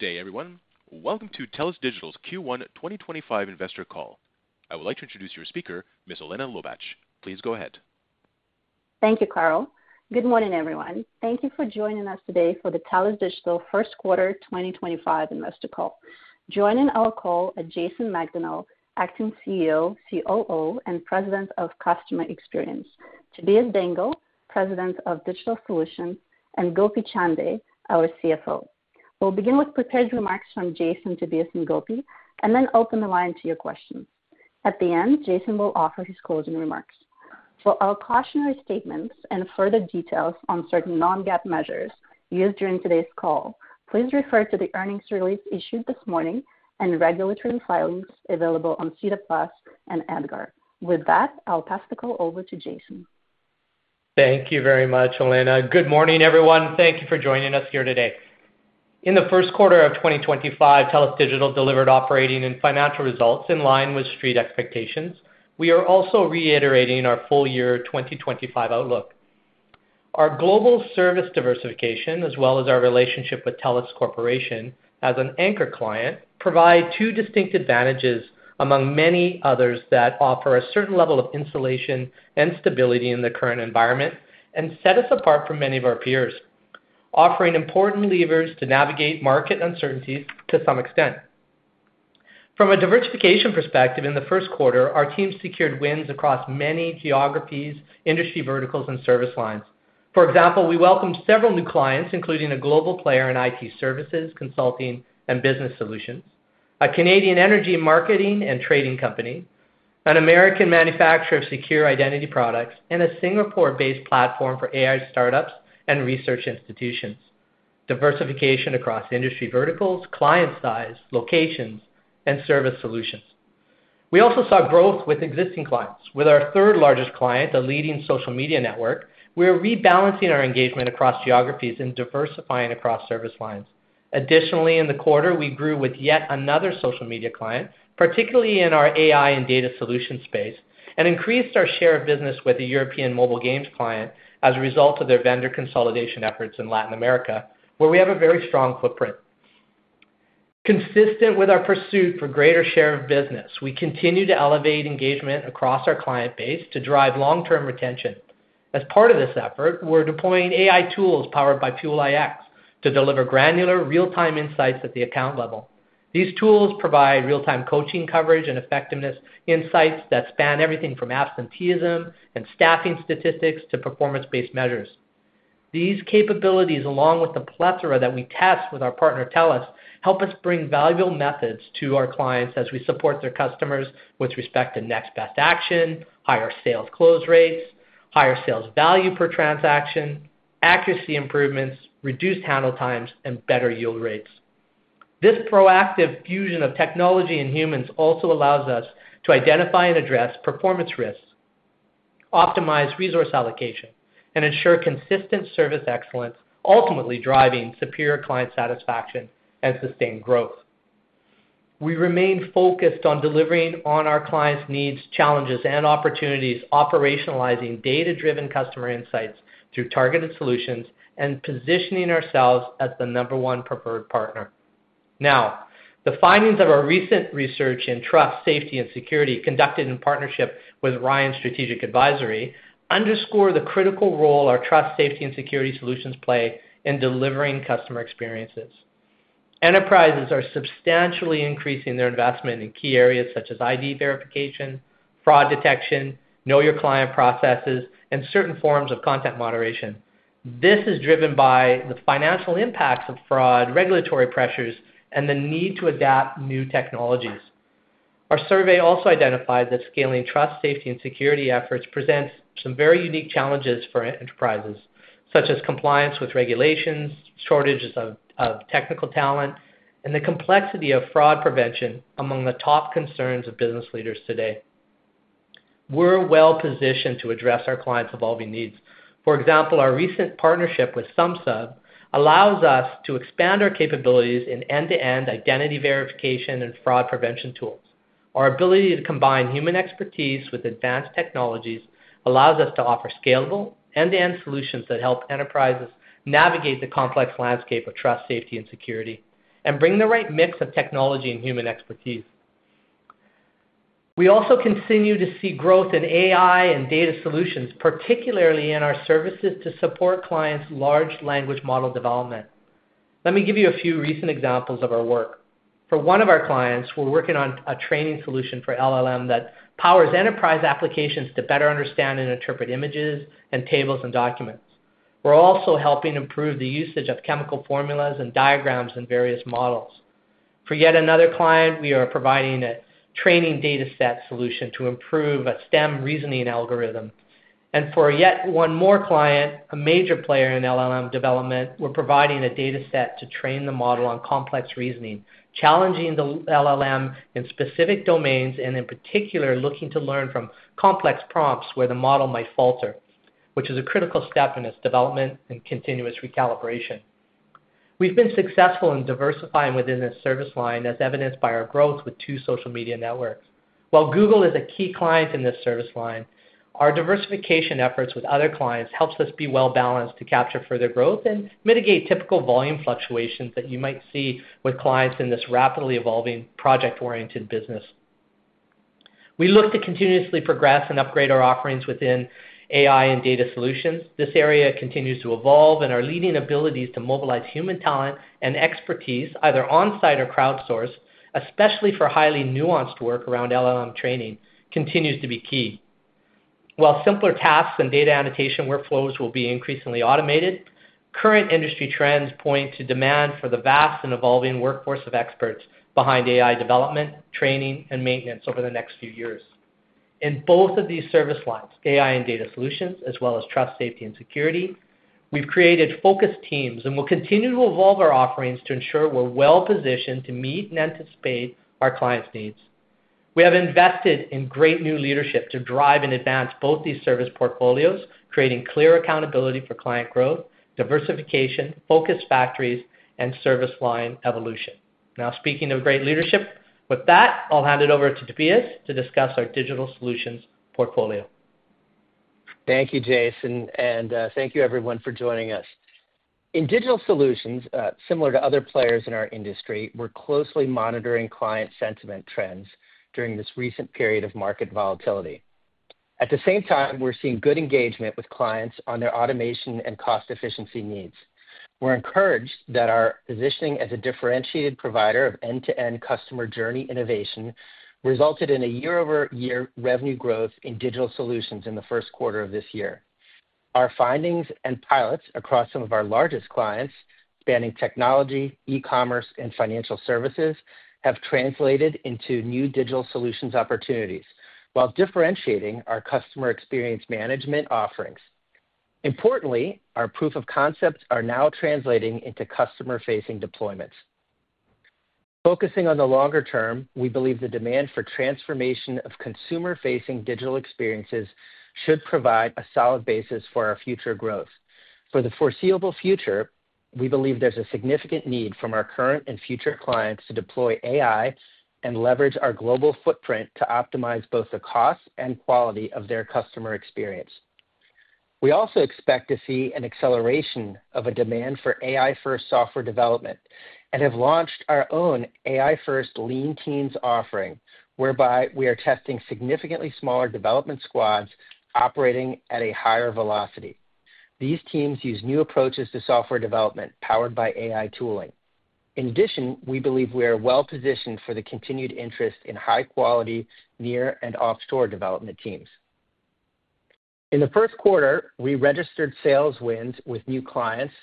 Good day, everyone. Welcome to TELUS Digital's Q1 2025 Investor Call. I would like to introduce your speaker, Ms. Elena Lobach. Please go ahead. Thank you, Carl. Good morning, everyone. Thank you for joining us today for the TELUS Digital First Quarter 2025 Investor Call. Joining our call are Jason Macdonnell, Acting CEO, COO, and President of Customer Experience, Tobias Dengel, President of Digital Solutions, and Gopi Chande, our CFO. We'll begin with prepared remarks from Jason, Tobias, and Gopi, and then open the line to your questions. At the end, Jason will offer his closing remarks. For our cautionary statements and further details on certain non-GAAP measures used during today's call, please refer to the earnings release issued this morning and regulatory filings available on SEDAR+ and EDGAR. With that, I'll pass the call over to Jason. Thank you very much, Elena. Good morning, everyone. Thank you for joining us here today. In the first quarter of 2025, TELUS Digital delivered operating and financial results in line with street expectations. We are also reiterating our full-year 2025 outlook. Our global service diversification, as well as our relationship with TELUS Corporation as an anchor client, provides two distinct advantages among many others that offer a certain level of insulation and stability in the current environment and set us apart from many of our peers, offering important levers to navigate market uncertainties to some extent. From a diversification perspective, in the first quarter, our team secured wins across many geographies, industry verticals, and service lines. For example, we welcomed several new clients, including a global player in IT services, consulting, and business solutions, a Canadian energy marketing and trading company, an American manufacturer of secure identity products, and a Singapore-based platform for AI startups and research institutions. Diversification across industry verticals, client size, locations, and service solutions. We also saw growth with existing clients. With our third-largest client, a leading social media network, we are rebalancing our engagement across geographies and diversifying across service lines. Additionally, in the quarter, we grew with yet another social media client, particularly in our AI and data solution space, and increased our share of business with a European mobile games client as a result of their vendor consolidation efforts in Latin America, where we have a very strong footprint. Consistent with our pursuit for greater share of business, we continue to elevate engagement across our client base to drive long-term retention. As part of this effort, we're deploying AI tools powered by Fuel iX to deliver granular, real-time insights at the account level. These tools provide real-time coaching coverage and effectiveness insights that span everything from absenteeism and staffing statistics to performance-based measures. These capabilities, along with the plethora that we test with our partner TELUS, help us bring valuable methods to our clients as we support their customers with respect to next best action, higher sales close rates, higher sales value per transaction, accuracy improvements, reduced handle times, and better yield rates. This proactive fusion of technology and humans also allows us to identify and address performance risks, optimize resource allocation, and ensure consistent service excellence, ultimately driving superior client satisfaction and sustained growth. We remain focused on delivering on our clients' needs, challenges, and opportunities, operationalizing data-driven customer insights through targeted solutions and positioning ourselves as the number one preferred partner. Now, the findings of our recent research in trust, safety, and security conducted in partnership with Ryan Strategic Advisory underscore the critical role our trust, safety, and security solutions play in delivering customer experiences. Enterprises are substantially increasing their investment in key areas such as ID verification, fraud detection, know-your-client processes, and certain forms of content moderation. This is driven by the financial impacts of fraud, regulatory pressures, and the need to adapt new technologies. Our survey also identified that scaling trust, safety, and security efforts presents some very unique challenges for enterprises, such as compliance with regulations, shortages of technical talent, and the complexity of fraud prevention among the top concerns of business leaders today. We're well-positioned to address our clients' evolving needs. For example, our recent partnership with Sumsub allows us to expand our capabilities in end-to-end identity verification and fraud prevention tools. Our ability to combine human expertise with advanced technologies allows us to offer scalable end-to-end solutions that help enterprises navigate the complex landscape of trust, safety, and security, and bring the right mix of technology and human expertise. We also continue to see growth in AI and data solutions, particularly in our services to support clients' large language model development. Let me give you a few recent examples of our work. For one of our clients, we're working on a training solution for LLM that powers enterprise applications to better understand and interpret images and tables and documents. We're also helping improve the usage of chemical formulas and diagrams in various models. For yet another client, we are providing a training data set solution to improve a STEM reasoning algorithm. For yet one more client, a major player in LLM development, we're providing a data set to train the model on complex reasoning, challenging the LLM in specific domains, and in particular, looking to learn from complex prompts where the model might falter, which is a critical step in its development and continuous recalibration. We've been successful in diversifying within this service line, as evidenced by our growth with two social media networks. While Google is a key client in this service line, our diversification efforts with other clients help us be well-balanced to capture further growth and mitigate typical volume fluctuations that you might see with clients in this rapidly evolving project-oriented business. We look to continuously progress and upgrade our offerings within AI and data solutions. This area continues to evolve, and our leading abilities to mobilize human talent and expertise, either on-site or crowdsourced, especially for highly nuanced work around LLM training, continue to be key. While simpler tasks and data annotation workflows will be increasingly automated, current industry trends point to demand for the vast and evolving workforce of experts behind AI development, training, and maintenance over the next few years. In both of these service lines, AI and data solutions, as well as trust, safety, and security, we have created focused teams and will continue to evolve our offerings to ensure we are well-positioned to meet and anticipate our clients' needs. We have invested in great new leadership to drive and advance both these service portfolios, creating clear accountability for client growth, diversification, focused factories, and service line evolution. Now, speaking of great leadership, with that, I'll hand it over to Tobias to discuss our digital solutions portfolio. Thank you, Jason, and thank you, everyone, for joining us. In digital solutions, similar to other players in our industry, we're closely monitoring client sentiment trends during this recent period of market volatility. At the same time, we're seeing good engagement with clients on their automation and cost efficiency needs. We're encouraged that our positioning as a differentiated provider of end-to-end customer journey innovation resulted in a year-over-year revenue growth in digital solutions in the first quarter of this year. Our findings and pilots across some of our largest clients, spanning technology, e-commerce, and financial services, have translated into new digital solutions opportunities, while differentiating our customer experience management offerings. Importantly, our proof of concepts are now translating into customer-facing deployments. Focusing on the longer term, we believe the demand for transformation of consumer-facing digital experiences should provide a solid basis for our future growth. For the foreseeable future, we believe there is a significant need from our current and future clients to deploy AI and leverage our global footprint to optimize both the cost and quality of their customer experience. We also expect to see an acceleration of a demand for AI-first software development and have launched our own AI-first lean teams offering, whereby we are testing significantly smaller development squads operating at a higher velocity. These teams use new approaches to software development powered by AI tooling. In addition, we believe we are well-positioned for the continued interest in high-quality near and offshore development teams. In the first quarter, we registered sales wins with new clients,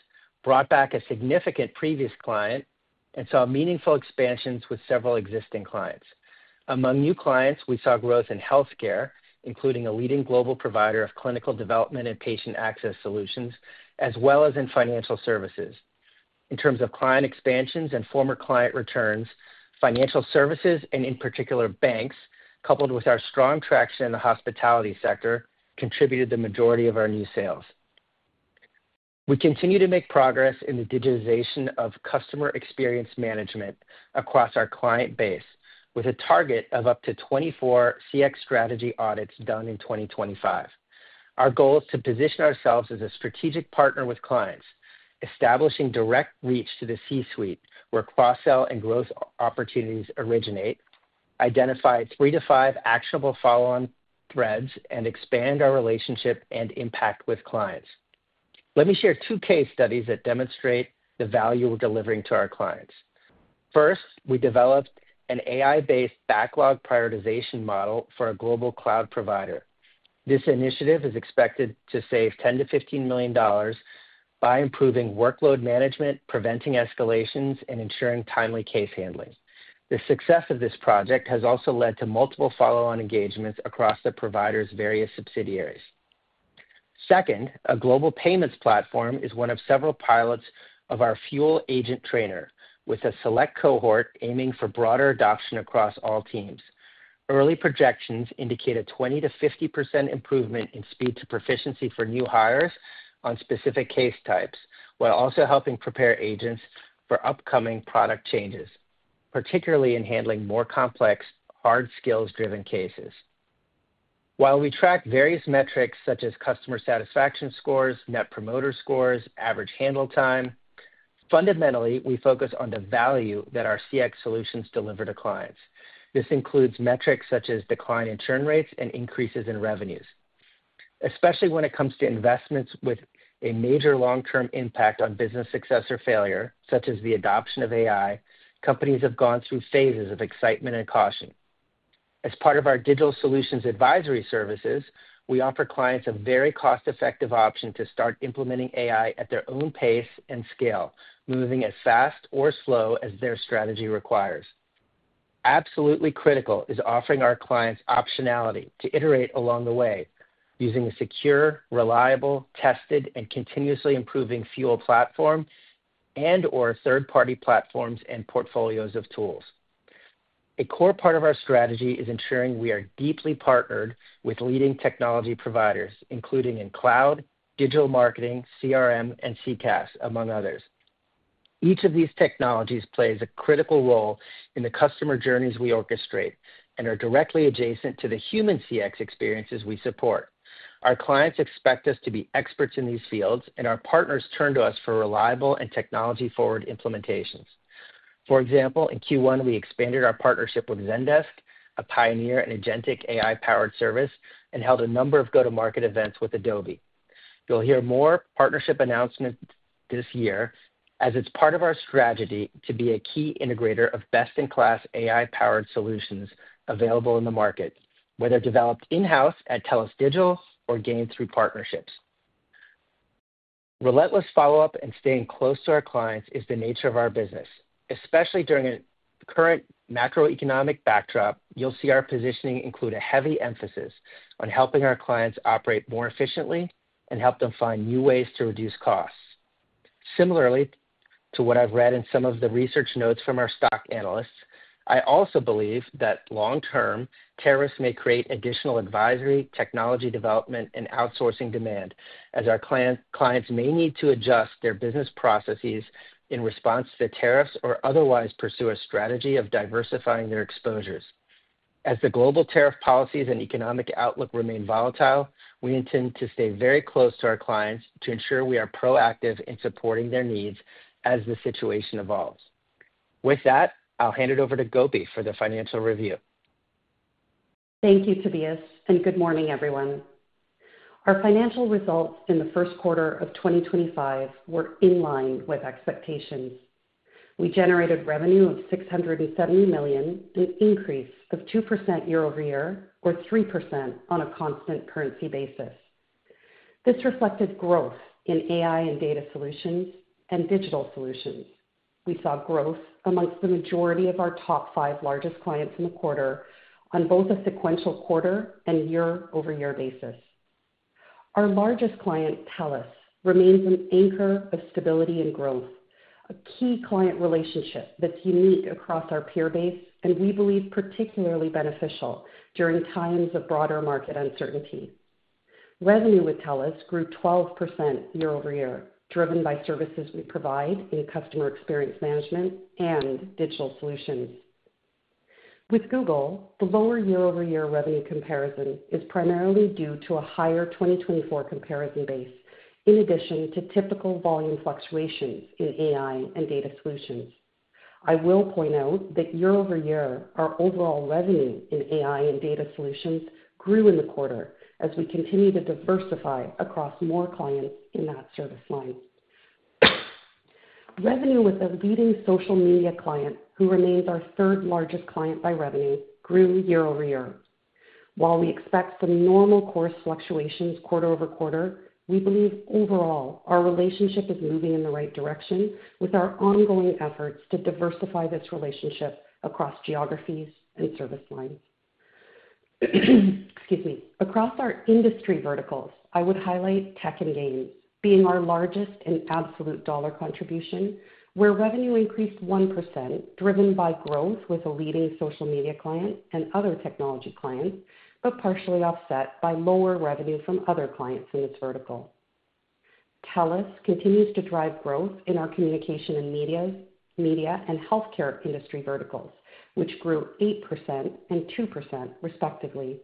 brought back a significant previous client, and saw meaningful expansions with several existing clients. Among new clients, we saw growth in healthcare, including a leading global provider of clinical development and patient access solutions, as well as in financial services. In terms of client expansions and former client returns, financial services, and in particular, banks, coupled with our strong traction in the hospitality sector, contributed to the majority of our new sales. We continue to make progress in the digitization of customer experience management across our client base, with a target of up to 24 CX strategy audits done in 2025. Our goal is to position ourselves as a strategic partner with clients, establishing direct reach to the C-suite where cross-sell and growth opportunities originate, identify three to five actionable follow-on threads, and expand our relationship and impact with clients. Let me share two case studies that demonstrate the value we're delivering to our clients. First, we developed an AI-based backlog prioritization model for a global cloud provider. This initiative is expected to save $10-$15 million by improving workload management, preventing escalations, and ensuring timely case handling. The success of this project has also led to multiple follow-on engagements across the provider's various subsidiaries. Second, a global payments platform is one of several pilots of our Fuel agent trainer, with a select cohort aiming for broader adoption across all teams. Early projections indicate a 20%-50% improvement in speed to proficiency for new hires on specific case types, while also helping prepare agents for upcoming product changes, particularly in handling more complex, hard skills-driven cases. While we track various metrics such as customer satisfaction scores, net promoter scores, and average handle time, fundamentally, we focus on the value that our CX solutions deliver to clients. This includes metrics such as decline in churn rates and increases in revenues. Especially when it comes to investments with a major long-term impact on business success or failure, such as the adoption of AI, companies have gone through phases of excitement and caution. As part of our digital solutions advisory services, we offer clients a very cost-effective option to start implementing AI at their own pace and scale, moving as fast or slow as their strategy requires. Absolutely critical is offering our clients optionality to iterate along the way using a secure, reliable, tested, and continuously improving Fuel platform and/or third-party platforms and portfolios of tools. A core part of our strategy is ensuring we are deeply partnered with leading technology providers, including in cloud, digital marketing, CRM, and CCaaS, among others. Each of these technologies plays a critical role in the customer journeys we orchestrate and are directly adjacent to the human CX experiences we support. Our clients expect us to be experts in these fields, and our partners turn to us for reliable and technology-forward implementations. For example, in Q1, we expanded our partnership with Zendesk, a pioneer and agentic AI-powered service, and held a number of go-to-market events with Adobe. You will hear more partnership announcements this year as it is part of our strategy to be a key integrator of best-in-class AI-powered solutions available in the market, whether developed in-house at TELUS Digital or gained through partnerships. Relentless follow-up and staying close to our clients is the nature of our business. Especially during a current macroeconomic backdrop, you'll see our positioning include a heavy emphasis on helping our clients operate more efficiently and help them find new ways to reduce costs. Similarly to what I've read in some of the research notes from our stock analysts, I also believe that long-term, tariffs may create additional advisory, technology development, and outsourcing demand, as our clients may need to adjust their business processes in response to the tariffs or otherwise pursue a strategy of diversifying their exposures. As the global tariff policies and economic outlook remain volatile, we intend to stay very close to our clients to ensure we are proactive in supporting their needs as the situation evolves. With that, I'll hand it over to Gopi for the financial review. Thank you, Tobias, and good morning, everyone. Our financial results in the first quarter of 2025 were in line with expectations. We generated revenue of $670 million, an increase of 2% year-over-year or 3% on a constant currency basis. This reflected growth in AI and data solutions and digital solutions. We saw growth amongst the majority of our top five largest clients in the quarter on both a sequential quarter and year-over-year basis. Our largest client, TELUS, remains an anchor of stability and growth, a key client relationship that is unique across our peer base and we believe particularly beneficial during times of broader market uncertainty. Revenue with TELUS grew 12% year-over-year, driven by services we provide in customer experience management and digital solutions. With Google, the lower year-over-year revenue comparison is primarily due to a higher 2024 comparison base in addition to typical volume fluctuations in AI and data solutions. I will point out that year-over-year, our overall revenue in AI and data solutions grew in the quarter as we continue to diversify across more clients in that service line. Revenue with a leading social media client, who remains our third-largest client by revenue, grew year-over-year. While we expect some normal course fluctuations quarter over quarter, we believe overall our relationship is moving in the right direction with our ongoing efforts to diversify this relationship across geographies and service lines. Excuse me. Across our industry verticals, I would highlight tech and games, being our largest in absolute dollar contribution, where revenue increased 1%, driven by growth with a leading social media client and other technology clients, but partially offset by lower revenue from other clients in this vertical. TELUS continues to drive growth in our communication and media and healthcare industry verticals, which grew 8% and 2%, respectively.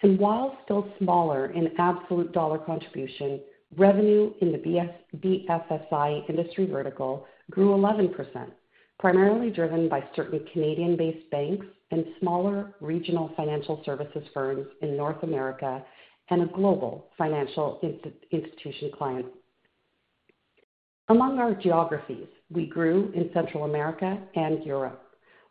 While still smaller in absolute dollar contribution, revenue in the BFSI industry vertical grew 11%, primarily driven by certain Canadian-based banks and smaller regional financial services firms in North America and a global financial institution client. Among our geographies, we grew in Central America and Europe,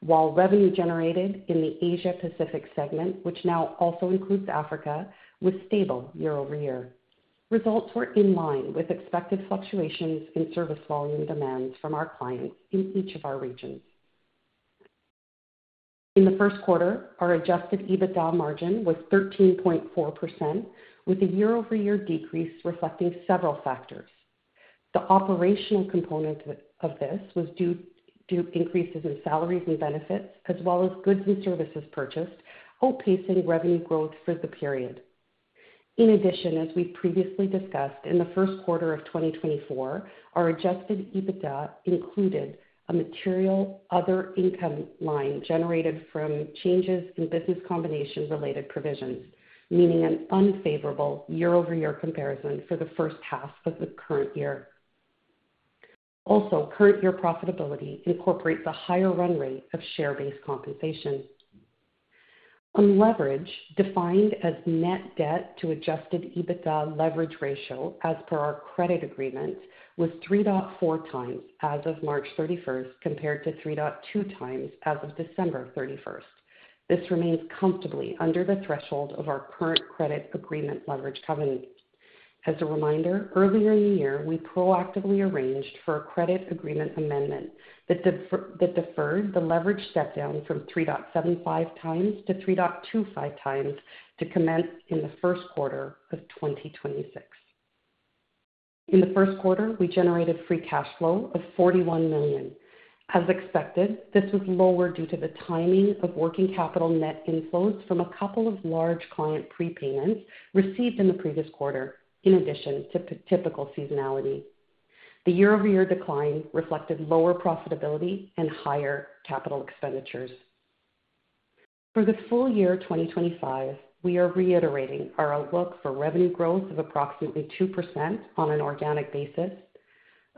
while revenue generated in the Asia-Pacific segment, which now also includes Africa, was stable year-over-year. Results were in line with expected fluctuations in service volume demands from our clients in each of our regions. In the first quarter, our adjusted EBITDA margin was 13.4%, with a year-over-year decrease reflecting several factors. The operational component of this was due to increases in salaries and benefits, as well as goods and services purchased, outpacing revenue growth for the period. In addition, as we previously discussed, in the first quarter of 2024, our adjusted EBITDA included a material other income line generated from changes in business combination-related provisions, meaning an unfavorable year-over-year comparison for the first half of the current year. Also, current year profitability incorporates a higher run rate of share-based compensation. Unleverage, defined as net debt to adjusted EBITDA leverage ratio as per our credit agreement, was 3.4 times as of March 31st compared to 3.2 times as of December 31st. This remains comfortably under the threshold of our current credit agreement leverage covenants. As a reminder, earlier in the year, we proactively arranged for a credit agreement amendment that deferred the leverage step-down from 3.75 times to 3.25 times to commence in the first quarter of 2026. In the first quarter, we generated free cash flow of $41 million. As expected, this was lower due to the timing of working capital net inflows from a couple of large client prepayments received in the previous quarter, in addition to typical seasonality. The year-over-year decline reflected lower profitability and higher capital expenditures. For the full year 2025, we are reiterating our outlook for revenue growth of approximately 2% on an organic basis,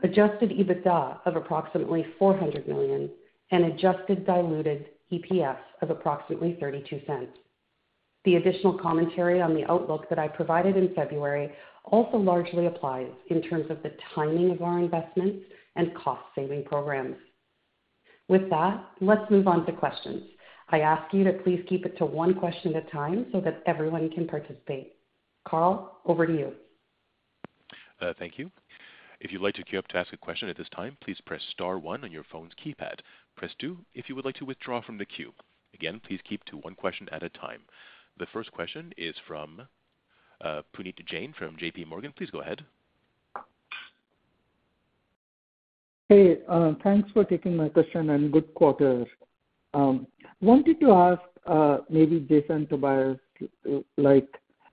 adjusted EBITDA of approximately $400 million, and adjusted diluted EPS of approximately $0.32. The additional commentary on the outlook that I provided in February also largely applies in terms of the timing of our investments and cost-saving programs. With that, let's move on to questions. I ask you to please keep it to one question at a time so that everyone can participate. Carl, over to you. Thank you. If you'd like to queue up to ask a question at this time, please press star one on your phone's keypad. Press two if you would like to withdraw from the queue. Again, please keep to one question at a time. The first question is from Puneet Jain from JP Morgan. Please go ahead. Hey, thanks for taking my question and good quarter. Wanted to ask maybe Jason, Tobias,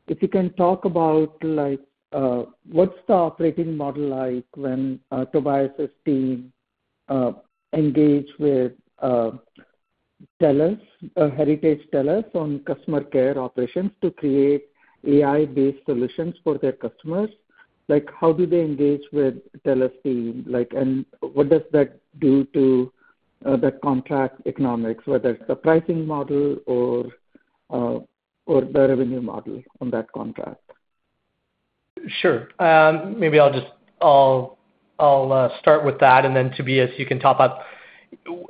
if you can talk about what's the operating model like when Tobias's team engages with TELUS, Heritage TELUS, on customer care operations to create AI-based solutions for their customers? How do they engage with TELUS team? What does that do to that contract economics, whether it's the pricing model or the revenue model on that contract? Sure. Maybe I'll start with that, and then Tobias, you can top up.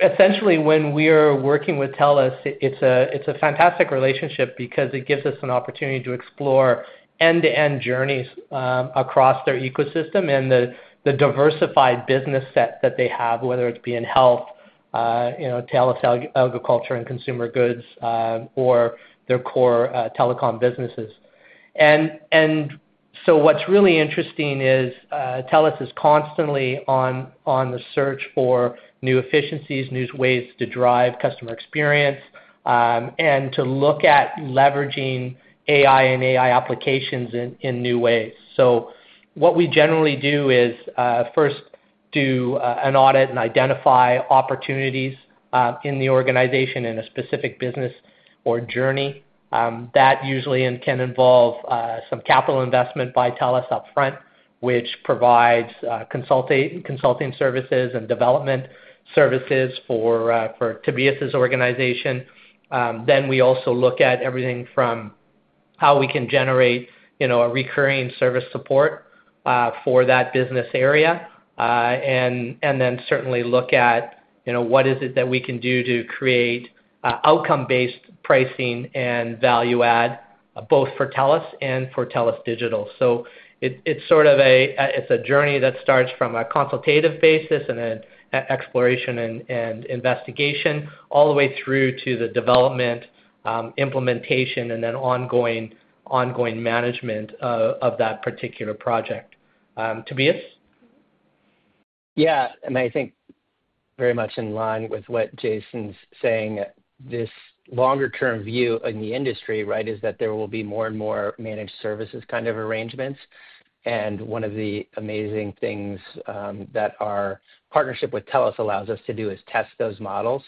Essentially, when we are working with TELUS, it's a fantastic relationship because it gives us an opportunity to explore end-to-end journeys across their ecosystem and the diversified business set that they have, whether it's being health, TELUS agriculture and consumer goods, or their core telecom businesses. What's really interesting is TELUS is constantly on the search for new efficiencies, new ways to drive customer experience, and to look at leveraging AI and AI applications in new ways. What we generally do is first do an audit and identify opportunities in the organization in a specific business or journey. That usually can involve some capital investment by TELUS upfront, which provides consulting services and development services for Tobias's organization. We also look at everything from how we can generate a recurring service support for that business area, and then certainly look at what is it that we can do to create outcome-based pricing and value-add, both for TELUS and for TELUS Digital. It is sort of a journey that starts from a consultative basis and an exploration and investigation all the way through to the development, implementation, and then ongoing management of that particular project. Tobias? Yeah. I think very much in line with what Jason's saying, this longer-term view in the industry, right, is that there will be more and more managed services kind of arrangements. One of the amazing things that our partnership with TELUS allows us to do is test those models.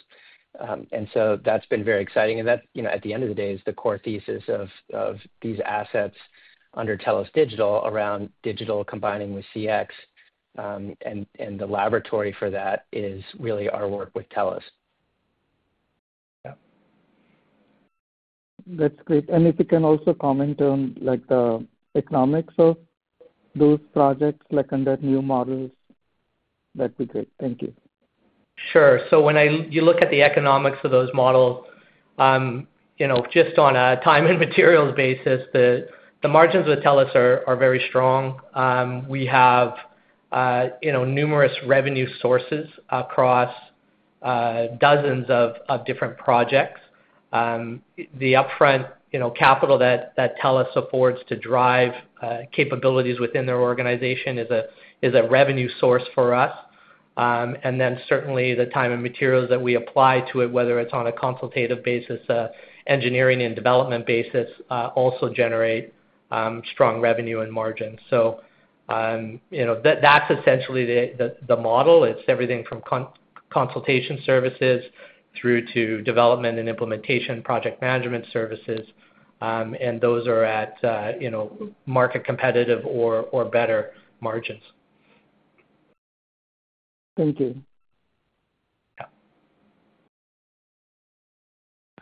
That has been very exciting. At the end of the day, it's the core thesis of these assets under TELUS Digital around digital combining with CX. The laboratory for that is really our work with TELUS. Yeah. That's great. If you can also comment on the economics of those projects under new models, that'd be great. Thank you. Sure. When you look at the economics of those models, just on a time and materials basis, the margins with TELUS are very strong. We have numerous revenue sources across dozens of different projects. The upfront capital that TELUS affords to drive capabilities within their organization is a revenue source for us. Certainly the time and materials that we apply to it, whether it is on a consultative basis, engineering, and development basis, also generate strong revenue and margins. That is essentially the model. It is everything from consultation services through to development and implementation project management services. Those are at market-competitive or better margins. Thank you.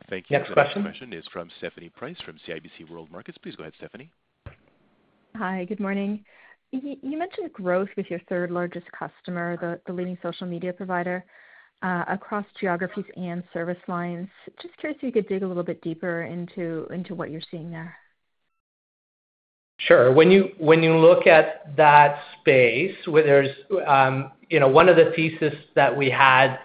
Thank you. Next question. Next question is from Stephanie Price from CIBC World Markets. Please go ahead, Stephanie. Hi, good morning. You mentioned growth with your third-largest customer, the leading social media provider, across geographies and service lines. Just curious if you could dig a little bit deeper into what you're seeing there? Sure. When you look at that space, one of the theses that we had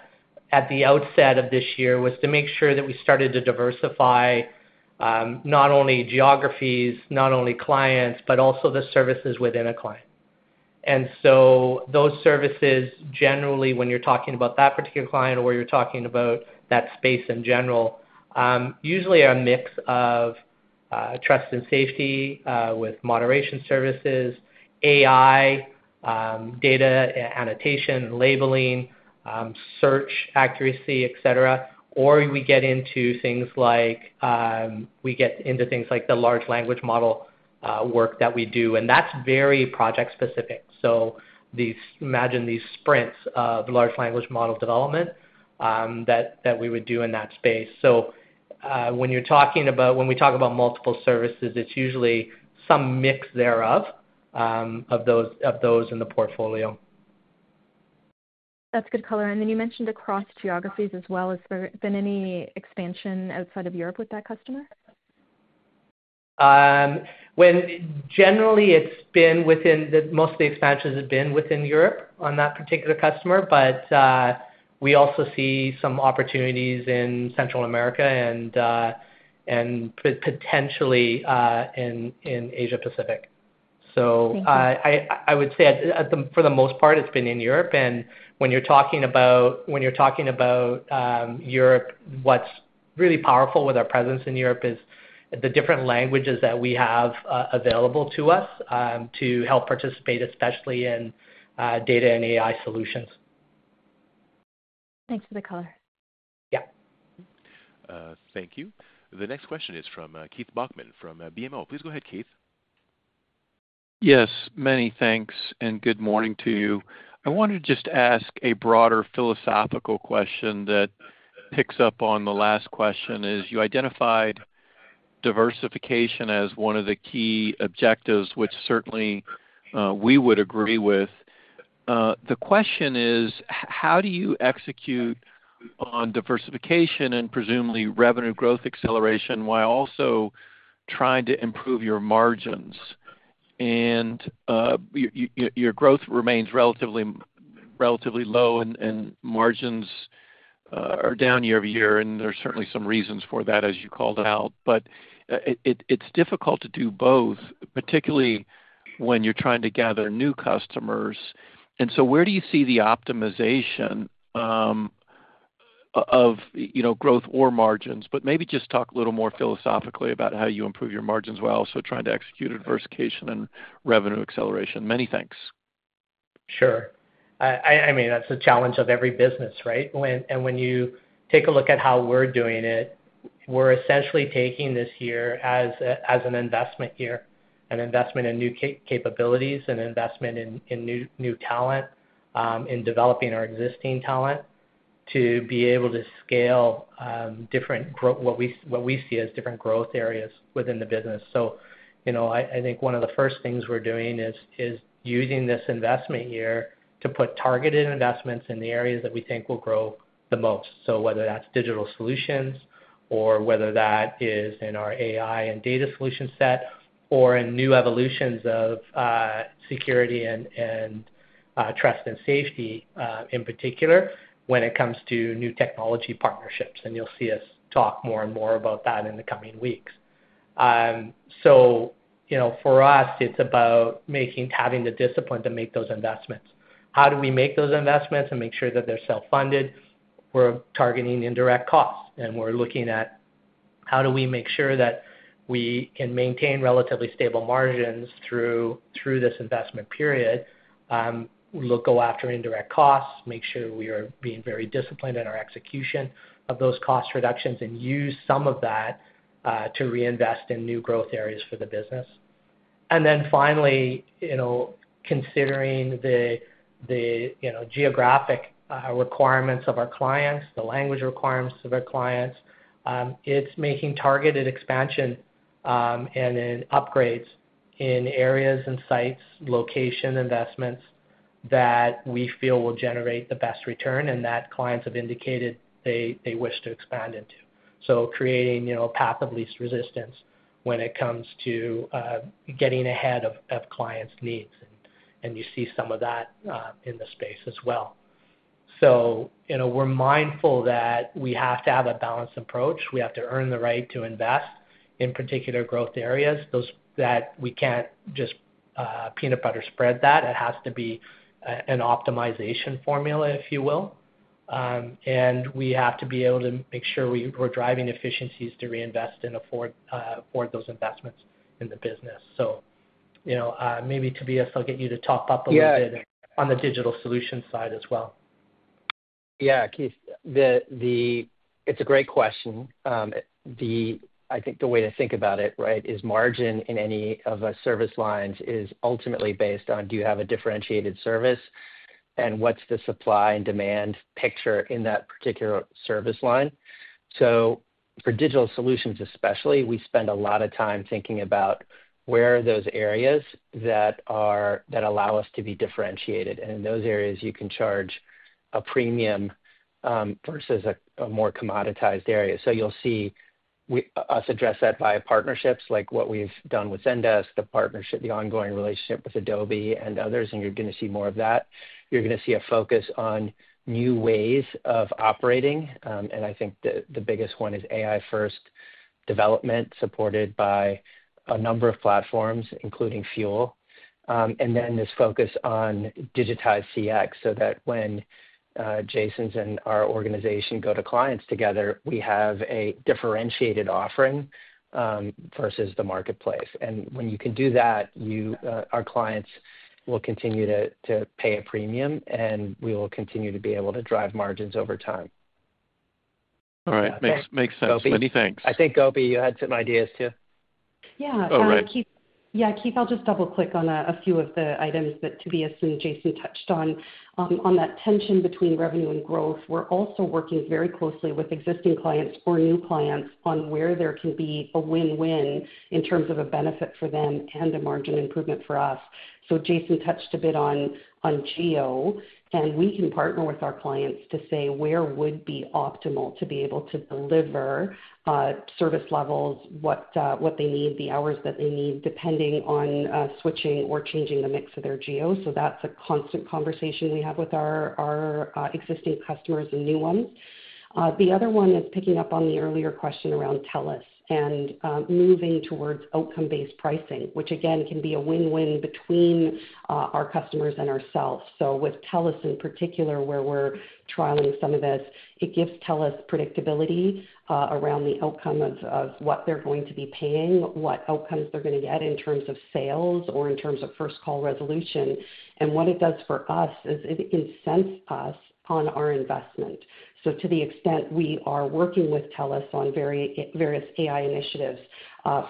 at the outset of this year was to make sure that we started to diversify not only geographies, not only clients, but also the services within a client. Those services, generally, when you're talking about that particular client or you're talking about that space in general, usually are a mix of trust and safety with moderation services, AI, data annotation, labeling, search accuracy, etc., or we get into things like the large language model work that we do. That's very project-specific. Imagine these sprints of large language model development that we would do in that space. When we talk about multiple services, it's usually some mix thereof of those in the portfolio. That's good color. You mentioned across geographies as well. Has there been any expansion outside of Europe with that customer? Generally, it's been within most of the expansions have been within Europe on that particular customer, but we also see some opportunities in Central America and potentially in Asia-Pacific. I would say, for the most part, it's been in Europe. When you're talking about Europe, what's really powerful with our presence in Europe is the different languages that we have available to us to help participate, especially in data and AI solutions. Thanks for the color. Yeah. Thank you. The next question is from Keith Bachman from BMO. Please go ahead, Keith. Yes. Many thanks and good morning to you. I wanted to just ask a broader philosophical question that picks up on the last question. You identified diversification as one of the key objectives, which certainly we would agree with. The question is, how do you execute on diversification and presumably revenue growth acceleration while also trying to improve your margins? Your growth remains relatively low and margins are down year-over-year, and there are certainly some reasons for that, as you called out. It is difficult to do both, particularly when you are trying to gather new customers. Where do you see the optimization of growth or margins? Maybe just talk a little more philosophically about how you improve your margins while also trying to execute diversification and revenue acceleration. Many thanks. Sure. I mean, that's the challenge of every business, right? When you take a look at how we're doing it, we're essentially taking this year as an investment year, an investment in new capabilities, an investment in new talent, in developing our existing talent to be able to scale what we see as different growth areas within the business. I think one of the first things we're doing is using this investment year to put targeted investments in the areas that we think will grow the most. Whether that's digital solutions or whether that is in our AI and data solution set or in new evolutions of security and trust and safety, in particular when it comes to new technology partnerships. You'll see us talk more and more about that in the coming weeks. For us, it's about having the discipline to make those investments. How do we make those investments and make sure that they're self-funded? We're targeting indirect costs. We're looking at how do we make sure that we can maintain relatively stable margins through this investment period, go after indirect costs, make sure we are being very disciplined in our execution of those cost reductions, and use some of that to reinvest in new growth areas for the business. Finally, considering the geographic requirements of our clients, the language requirements of our clients, it's making targeted expansion and then upgrades in areas and sites, location investments that we feel will generate the best return and that clients have indicated they wish to expand into. Creating a path of least resistance when it comes to getting ahead of clients' needs. You see some of that in the space as well. We're mindful that we have to have a balanced approach. We have to earn the right to invest in particular growth areas. We can't just peanut butter spread that. It has to be an optimization formula, if you will. We have to be able to make sure we're driving efficiencies to reinvest and afford those investments in the business. Maybe Tobias, I'll get you to top up a little bit on the digital solution side as well. Yeah. Keith, it's a great question. I think the way to think about it, right, is margin in any of our service lines is ultimately based on do you have a differentiated service and what's the supply and demand picture in that particular service line. For digital solutions especially, we spend a lot of time thinking about where are those areas that allow us to be differentiated. In those areas, you can charge a premium versus a more commoditized area. You'll see us address that via partnerships like what we've done with Zendesk, the ongoing relationship with Adobe and others, and you're going to see more of that. You're going to see a focus on new ways of operating. I think the biggest one is AI-first development supported by a number of platforms, including Fuel. There is focus on digitized CX so that when Jason's and our organization go to clients together, we have a differentiated offering versus the marketplace. When you can do that, our clients will continue to pay a premium, and we will continue to be able to drive margins over time. All right. Makes sense. Many thanks. I think, Gopi, you had some ideas too. Yeah. Yeah, Keith, I'll just double-click on a few of the items that Tobias and Jason touched on. On that tension between revenue and growth, we're also working very closely with existing clients or new clients on where there can be a win-win in terms of a benefit for them and a margin improvement for us. Jason touched a bit on geo, and we can partner with our clients to say where would be optimal to be able to deliver service levels, what they need, the hours that they need, depending on switching or changing the mix of their geo. That's a constant conversation we have with our existing customers and new ones. The other one is picking up on the earlier question around TELUS and moving towards outcome-based pricing, which, again, can be a win-win between our customers and ourselves. With TELUS in particular, where we're trialing some of this, it gives TELUS predictability around the outcome of what they're going to be paying, what outcomes they're going to get in terms of sales, or in terms of first-call resolution. What it does for us is it incents us on our investment. To the extent we are working with TELUS on various AI initiatives,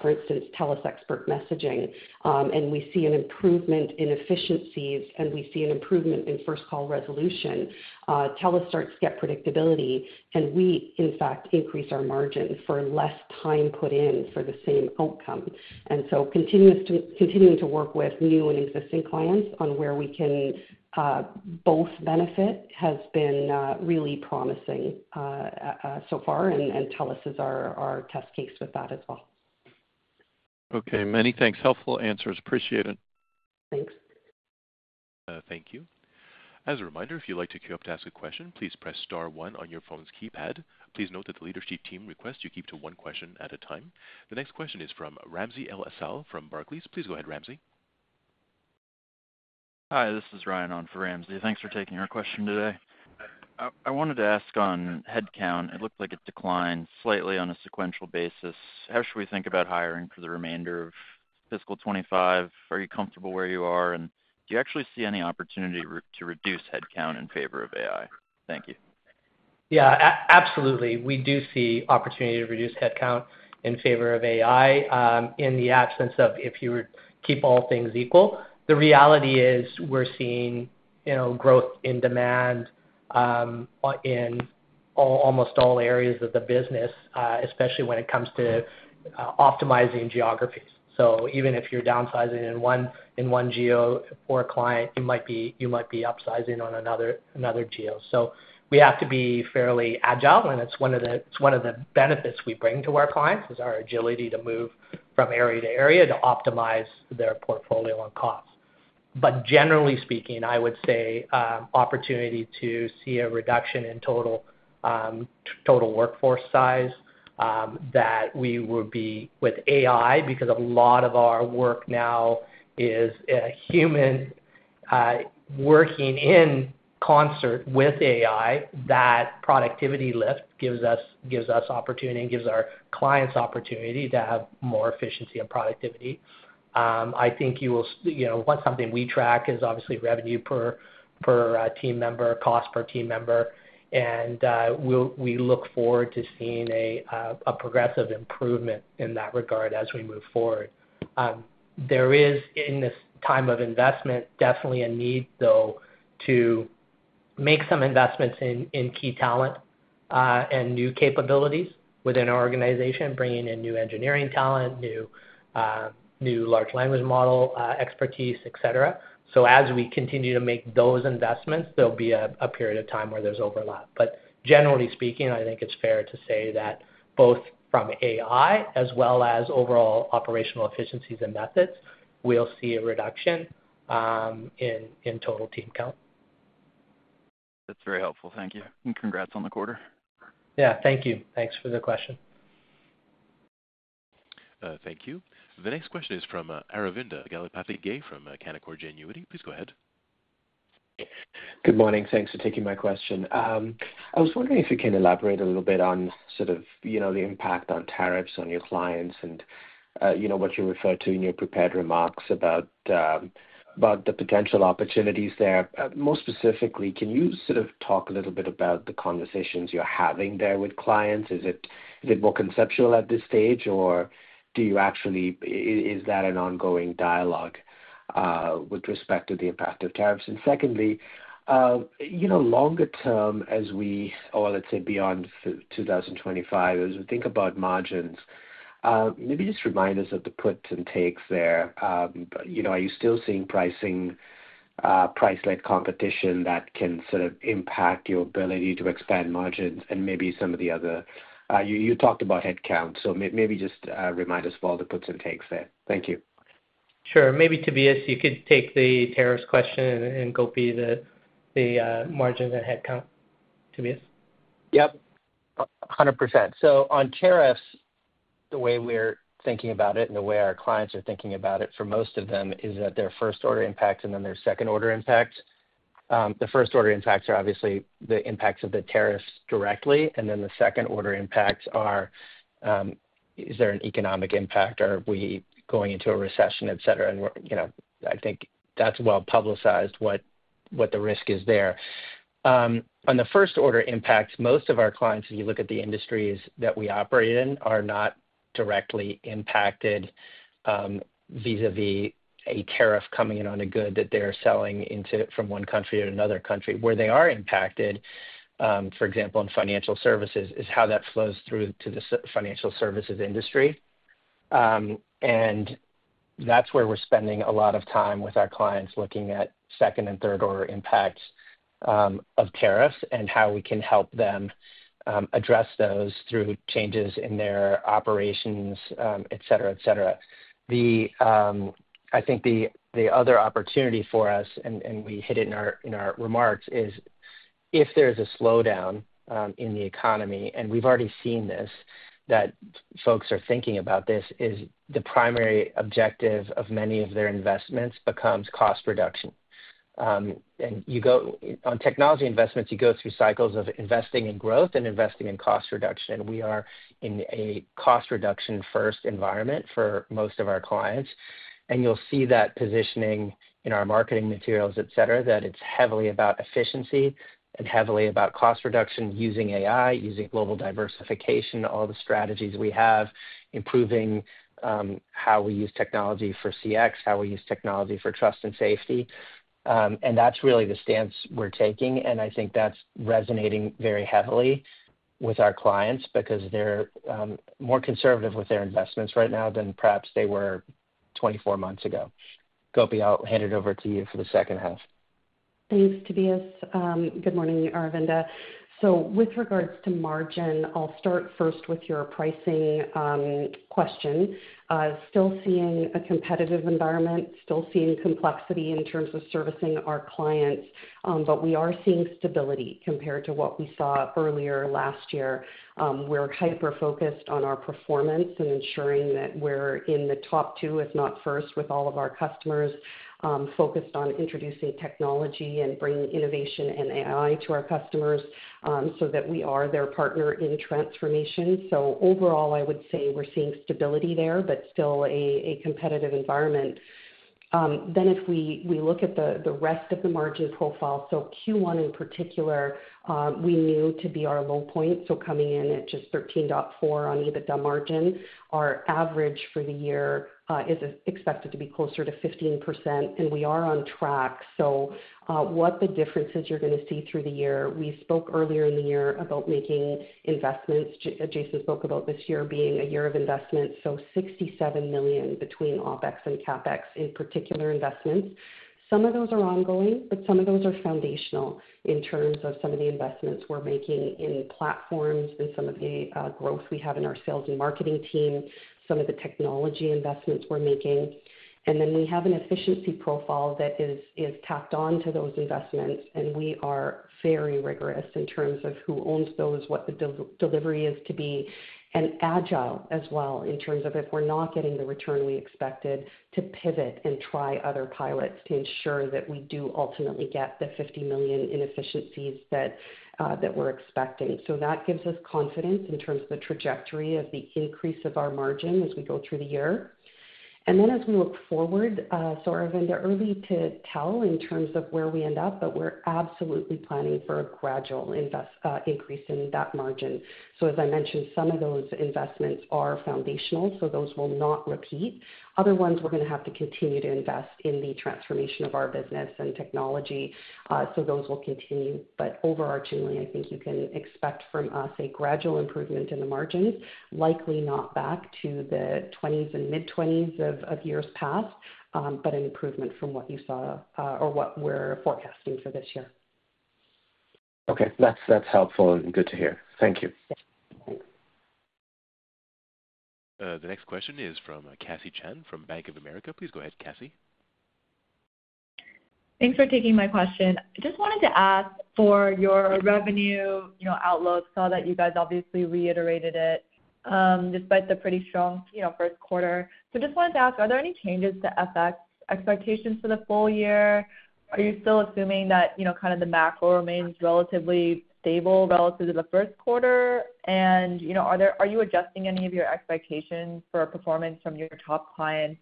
for instance, TELUS Expert Messaging, and we see an improvement in efficiencies, and we see an improvement in first-call resolution, TELUS starts to get predictability, and we, in fact, increase our margin for less time put in for the same outcome. Continuing to work with new and existing clients on where we can both benefit has been really promising so far, and TELUS is our test case with that as well. Okay. Many thanks. Helpful answers. Appreciate it. Thanks. Thank you. As a reminder, if you'd like to queue up to ask a question, please press star one on your phone's keypad. Please note that the leadership team requests you keep to one question at a time. The next question is from Ramsey El-Asal from Barclays. Please go ahead, Ramsey. Hi, this is Ryan on for Ramsey. Thanks for taking our question today. I wanted to ask on headcount. It looked like it declined slightly on a sequential basis. How should we think about hiring for the remainder of fiscal 2025? Are you comfortable where you are? Do you actually see any opportunity to reduce headcount in favor of AI? Thank you. Yeah, absolutely. We do see opportunity to reduce headcount in favor of AI in the absence of if you keep all things equal. The reality is we're seeing growth in demand in almost all areas of the business, especially when it comes to optimizing geographies. Even if you're downsizing in one geo for a client, you might be upsizing on another geo. We have to be fairly agile, and it's one of the benefits we bring to our clients is our agility to move from area to area to optimize their portfolio on costs. Generally speaking, I would say opportunity to see a reduction in total workforce size that we will be with AI because a lot of our work now is human working in concert with AI. That productivity lift gives us opportunity and gives our clients opportunity to have more efficiency and productivity. I think you will want something we track is obviously revenue per team member, cost per team member. We look forward to seeing a progressive improvement in that regard as we move forward. There is, in this time of investment, definitely a need, though, to make some investments in key talent and new capabilities within our organization, bringing in new engineering talent, new large language model expertise, etc. As we continue to make those investments, there will be a period of time where there is overlap. Generally speaking, I think it is fair to say that both from AI as well as overall operational efficiencies and methods, we will see a reduction in total team count. That's very helpful. Thank you. Congrats on the quarter. Yeah. Thank you. Thanks for the question. Thank you. The next question is from Aravinda Galappatthige from Canaccord Genuity. Please go ahead. Good morning. Thanks for taking my question. I was wondering if you can elaborate a little bit on sort of the impact on tariffs on your clients and what you refer to in your prepared remarks about the potential opportunities there. More specifically, can you sort of talk a little bit about the conversations you're having there with clients? Is it more conceptual at this stage, or is that an ongoing dialogue with respect to the impact of tariffs? Secondly, longer term as we, or let's say beyond 2025, as we think about margins, maybe just remind us of the puts and takes there. Are you still seeing price-led competition that can sort of impact your ability to expand margins and maybe some of the other you talked about headcount. Maybe just remind us of all the puts and takes there. Thank you. Sure. Maybe Tobias, you could take the tariffs question and Gopi the margins and headcount, Tobias. Yep. 100%. On tariffs, the way we're thinking about it and the way our clients are thinking about it for most of them is that there are first-order impacts and then there are second-order impacts. The first-order impacts are obviously the impacts of the tariffs directly, and then the second-order impacts are is there an economic impact? Are we going into a recession, etc.? I think that's well publicized what the risk is there. On the first-order impacts, most of our clients, if you look at the industries that we operate in, are not directly impacted vis-à-vis a tariff coming in on a good that they're selling from one country to another country. Where they are impacted, for example, in financial services, is how that flows through to the financial services industry. That is where we are spending a lot of time with our clients looking at second and third-order impacts of tariffs and how we can help them address those through changes in their operations, etc., etc. I think the other opportunity for us, and we hit it in our remarks, is if there is a slowdown in the economy, and we have already seen this, that folks are thinking about this, the primary objective of many of their investments becomes cost reduction. On technology investments, you go through cycles of investing in growth and investing in cost reduction. We are in a cost reduction-first environment for most of our clients. You will see that positioning in our marketing materials, etc., that it is heavily about efficiency and heavily about cost reduction using AI, using global diversification, all the strategies we have, improving how we use technology for CX, how we use technology for trust and safety. That is really the stance we are taking. I think that is resonating very heavily with our clients because they are more conservative with their investments right now than perhaps they were 24 months ago. Gopi, I will hand it over to you for the second half. Thanks, Tobias. Good morning, Aravinda. With regards to margin, I'll start first with your pricing question. Still seeing a competitive environment, still seeing complexity in terms of servicing our clients, but we are seeing stability compared to what we saw earlier last year. We're hyper-focused on our performance and ensuring that we're in the top two, if not first, with all of our customers focused on introducing technology and bringing innovation and AI to our customers so that we are their partner in transformation. Overall, I would say we're seeing stability there, but still a competitive environment. If we look at the rest of the margin profile, Q1 in particular, we knew to be our low point. Coming in at just 13.4% on EBITDA margin, our average for the year is expected to be closer to 15%, and we are on track. What the differences you're going to see through the year, we spoke earlier in the year about making investments. Jason spoke about this year being a year of investments, so $67 million between OpEx and CapEx in particular investments. Some of those are ongoing, but some of those are foundational in terms of some of the investments we're making in platforms and some of the growth we have in our sales and marketing team, some of the technology investments we're making. We have an efficiency profile that is tacked on to those investments, and we are very rigorous in terms of who owns those, what the delivery is to be, and agile as well in terms of if we're not getting the return we expected to pivot and try other pilots to ensure that we do ultimately get the $50 million in efficiencies that we're expecting. That gives us confidence in terms of the trajectory of the increase of our margin as we go through the year. As we look forward, Aravinda, early to tell in terms of where we end up, but we're absolutely planning for a gradual increase in that margin. As I mentioned, some of those investments are foundational, so those will not repeat. Other ones, we're going to have to continue to invest in the transformation of our business and technology, so those will continue. Overarchingly, I think you can expect from us a gradual improvement in the margins, likely not back to the 20%-mid-20% of years past, but an improvement from what you saw or what we're forecasting for this year. Okay. That's helpful and good to hear. Thank you. The next question is from Cassie Chen from Bank of America. Please go ahead, Cassie. Thanks for taking my question. I just wanted to ask for your revenue outlook. Saw that you guys obviously reiterated it despite the pretty strong first quarter. Just wanted to ask, are there any changes to FX expectations for the full year? Are you still assuming that kind of the macro remains relatively stable relative to the first quarter? Are you adjusting any of your expectations for performance from your top clients,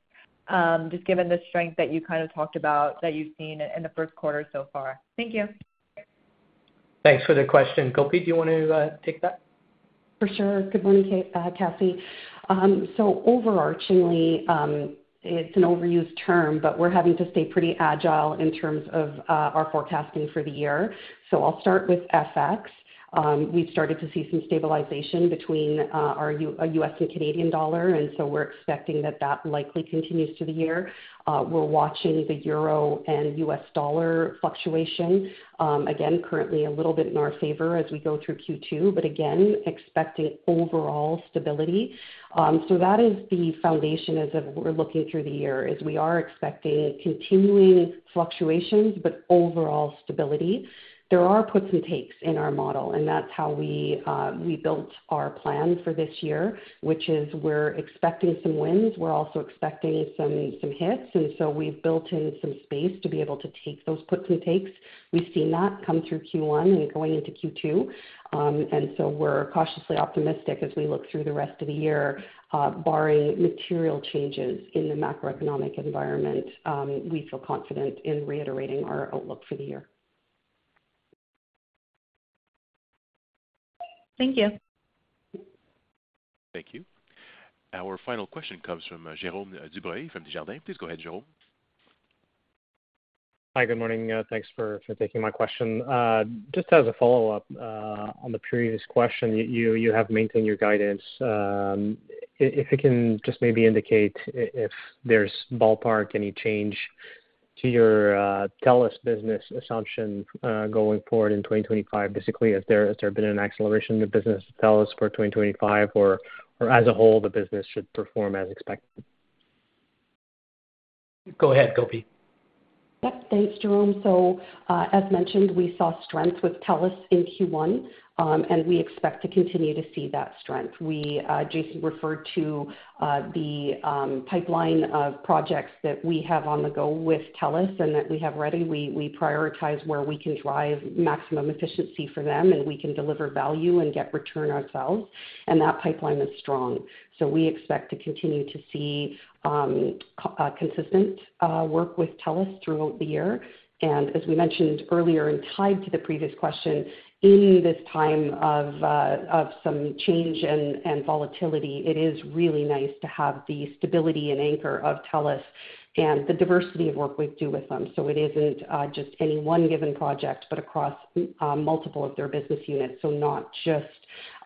just given the strength that you kind of talked about that you've seen in the first quarter so far? Thank you. Thanks for the question. Gopi, do you want to take that? For sure. Good morning, Cassie. So overarchingly, it's an overused term, but we're having to stay pretty agile in terms of our forecasting for the year. I'll start with FX. We've started to see some stabilization between our U.S. and Canadian dollar, and we're expecting that that likely continues through the year. We're watching the euro and U.S. dollar fluctuation. Again, currently a little bit in our favor as we go through Q2, but again, expecting overall stability. That is the foundation as of we're looking through the year is we are expecting continuing fluctuations, but overall stability. There are puts and takes in our model, and that's how we built our plan for this year, which is we're expecting some wins. We're also expecting some hits, and we've built in some space to be able to take those puts and takes. We've seen that come through Q1 and going into Q2. We are cautiously optimistic as we look through the rest of the year, barring material changes in the macroeconomic environment. We feel confident in reiterating our outlook for the year. Thank you. Thank you. Our final question comes from Jérôme Dubreuil from Desjardins. Please go ahead, Jérôme. Hi, good morning. Thanks for taking my question. Just as a follow-up on the previous question, you have maintained your guidance. If you can just maybe indicate if there's ballpark any change to your TELUS business assumption going forward in 2025, basically, has there been an acceleration of business TELUS for 2025, or as a whole, the business should perform as expected? Go ahead, Gopi. Yep. Thanks, Jérôme. As mentioned, we saw strength with TELUS in Q1, and we expect to continue to see that strength. Jason referred to the pipeline of projects that we have on the go with TELUS and that we have ready. We prioritize where we can drive maximum efficiency for them, and we can deliver value and get return ourselves. That pipeline is strong. We expect to continue to see consistent work with TELUS throughout the year. As we mentioned earlier and tied to the previous question, in this time of some change and volatility, it is really nice to have the stability and anchor of TELUS and the diversity of work we do with them. It is not just any one given project, but across multiple of their business units. Not just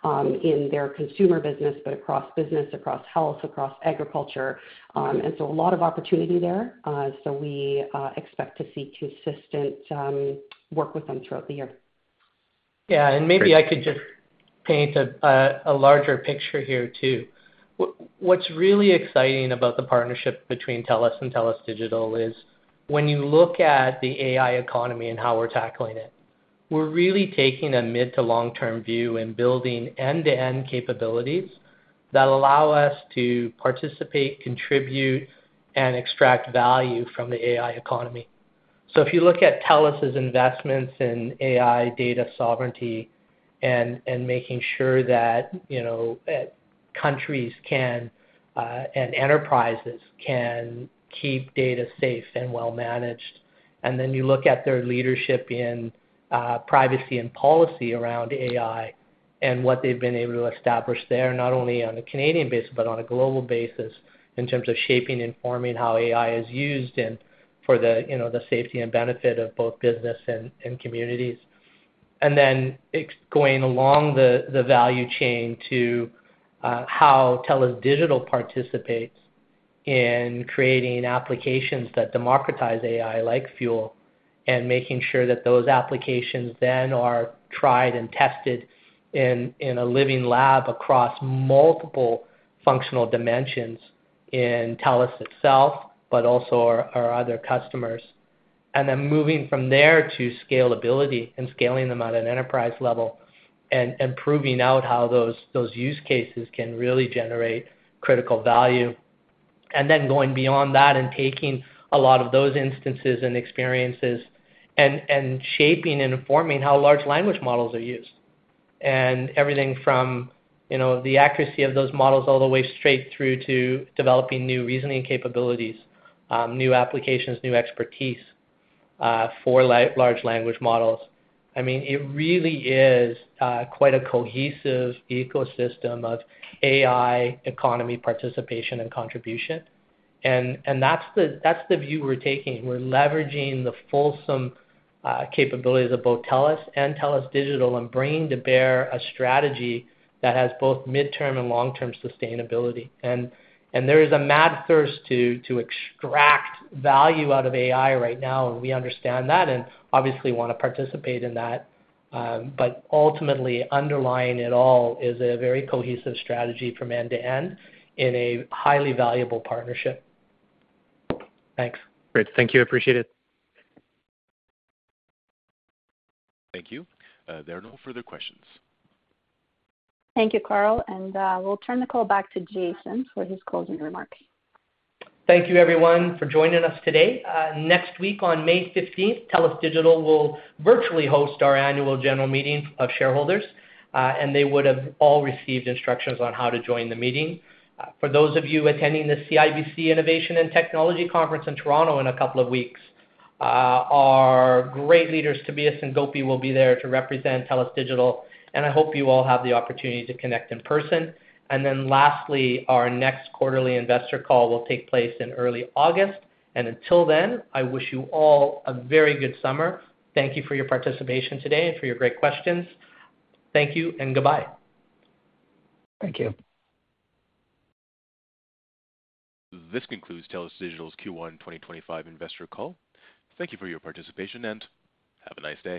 in their consumer business, but across business, across health, across agriculture. A lot of opportunity there. We expect to see consistent work with them throughout the year. Yeah. Maybe I could just paint a larger picture here too. What's really exciting about the partnership between TELUS and TELUS Digital is when you look at the AI economy and how we're tackling it, we're really taking a mid to long-term view and building end-to-end capabilities that allow us to participate, contribute, and extract value from the AI economy. If you look at TELUS's investments in AI data sovereignty and making sure that countries and enterprises can keep data safe and well-managed, and then you look at their leadership in privacy and policy around AI and what they've been able to establish there, not only on a Canadian basis, but on a global basis in terms of shaping and forming how AI is used for the safety and benefit of both business and communities. Going along the value chain to how TELUS Digital participates in creating applications that democratize AI like Fuel and making sure that those applications then are tried and tested in a living lab across multiple functional dimensions in TELUS itself, but also our other customers. Moving from there to scalability and scaling them at an enterprise level and proving out how those use cases can really generate critical value. Going beyond that and taking a lot of those instances and experiences and shaping and informing how large language models are used. Everything from the accuracy of those models all the way straight through to developing new reasoning capabilities, new applications, new expertise for large language models. I mean, it really is quite a cohesive ecosystem of AI economy participation and contribution. That is the view we are taking. We're leveraging the fulsome capabilities of both TELUS and TELUS Digital and bringing to bear a strategy that has both midterm and long-term sustainability. There is a mad thirst to extract value out of AI right now, and we understand that and obviously want to participate in that. Ultimately, underlying it all is a very cohesive strategy from end to end in a highly valuable partnership. Thanks. Great. Thank you. Appreciate it. Thank you. There are no further questions. Thank you, Carl. We will turn the call back to Jason for his closing remarks. Thank you, everyone, for joining us today. Next week on May 15th, TELUS Digital will virtually host our annual general meeting of shareholders, and they would have all received instructions on how to join the meeting. For those of you attending the CIBC Innovation and Technology Conference in Toronto in a couple of weeks, our great leaders Tobias and Gopi will be there to represent TELUS Digital, and I hope you all have the opportunity to connect in person. Lastly, our next quarterly investor call will take place in early August. Until then, I wish you all a very good summer. Thank you for your participation today and for your great questions. Thank you and goodbye. Thank you. This concludes TELUS Digital's Q1 2025 investor call. Thank you for your participation and have a nice day.